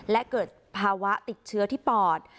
และเกิดภาวะติดเชื้อที่ปอด